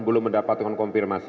belum mendapatkan konfirmasi